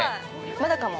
◆まだかも。